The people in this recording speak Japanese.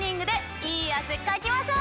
いいあせかきましょう！